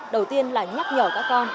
đầu tiên là nhắc nhở các con